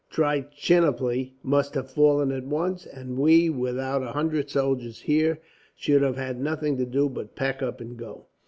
Trichinopoli must have fallen at once; and we, without a hundred soldiers here, should have had nothing to do but pack up and go.